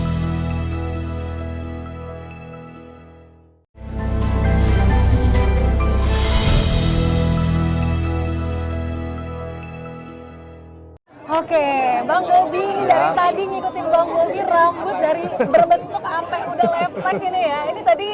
oke bang gobi dari tadi ngikutin bang gobi rambut dari berbentuk sampai udah lepek ini ya ini tadi